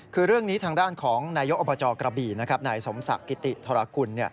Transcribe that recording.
คือเรื่องนี้ทางด้านของนายกอบจกระบี่นายสมศักดิ์กิติธรกุล